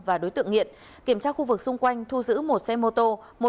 và đối tượng nghiện kiểm tra khu vực xung quanh thu giữ một xe mô tô